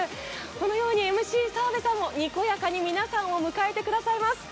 このように、ＭＣ澤部さんもにこやかに皆さんを迎えてくださいます。